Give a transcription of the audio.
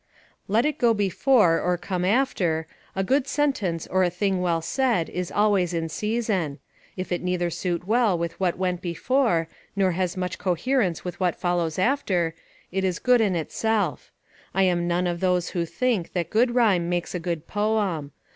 Let it go before, or come after, a good sentence or a thing well said, is always in season; if it neither suit well with what went before, nor has much coherence with what follows after, it is good in itself. I am none of those who think that good rhyme makes a good poem.